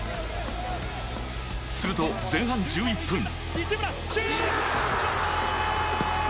すると前半１１分。